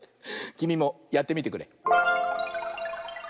きみもやってみてくれ。